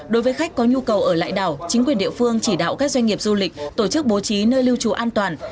đối với khách có nhu cầu ở lại đảo chính quyền địa phương chỉ đạo các doanh nghiệp du lịch tổ chức bố trí nơi lưu trù an toàn